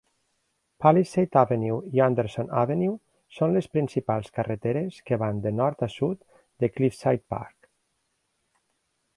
Palisade Avenue i Anderson Avenue són les principals carreteres que van de nord a sud de Cliffside Park.